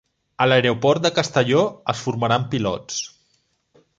A l'aeroport de Castelló es formaran pilots